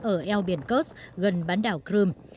ở eo biển kurs gần bán đảo crimea